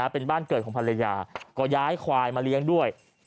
เป็นบ้านเกิดของภรรยาก็ย้ายควายมาเลี้ยงด้วย